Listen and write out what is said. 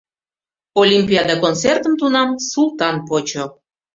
Олимпиада концертым тунам Султан почо.